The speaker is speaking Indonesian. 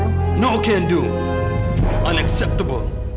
apakah kamu ada waktu besok